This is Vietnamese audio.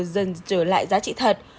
dần trở lại giá trị thật